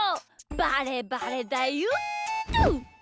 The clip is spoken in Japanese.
バレバレだよっと！